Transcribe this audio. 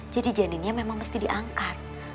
jadi janinnya memang mesti diangkat